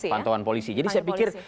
pantauan polisi jadi saya pikir